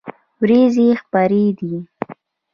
ورېځې خپری دي